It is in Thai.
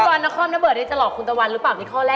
พี่บอลพี่บอลข้อมน้ำเบิร์ดจะหลอกคุณตะวันหรือเปล่า